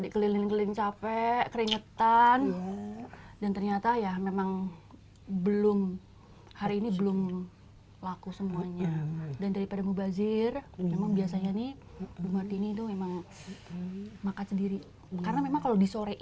karena memang kalau di sore ini itu nggak bisa